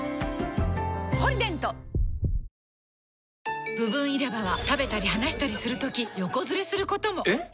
「ポリデント」部分入れ歯は食べたり話したりするとき横ずれすることも！えっ！？